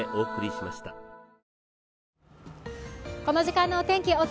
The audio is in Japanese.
この時間のお天気